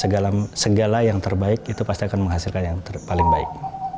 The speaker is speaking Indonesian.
dan segala yang terbaik itu pasti akan menghasilkan yang paling baik